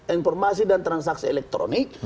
informasi dan transaksi elektronik